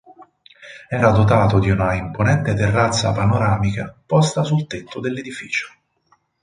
Era dotato di una imponente terrazza panoramica posta sul tetto dell'edificio.